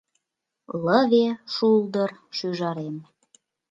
Лыве шулдыр - шӱжарем